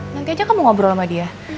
nanti aja kamu ngobrol sama dia